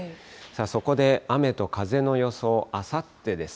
そこで、雨と風の予想、あさってです。